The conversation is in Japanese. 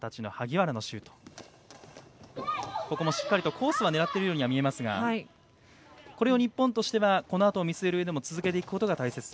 コースは狙っているように見えますがこれを、日本としてはこのあとを見据えるうえでは続けていくことが大切と。